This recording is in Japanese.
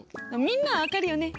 みんなは分かるよね。